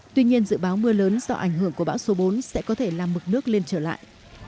tuy nhiên dự báo mưa lớn do ảnh hưởng của bão số bốn sẽ có thể làm mực nước lên trở lại